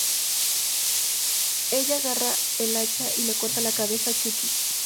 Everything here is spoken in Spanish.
Ella agarra el hacha y le corta la cabeza a Chucky.